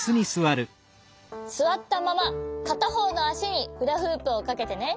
すわったままかたほうのあしにフラフープをかけてね。